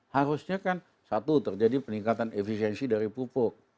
harusnya kan satu terjadi peningkatan efisiensi dari pupuk